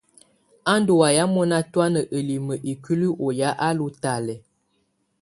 Á ndù waya mɔna tɔana ǝlimǝ ikuili ɔ ya á lù talɛ.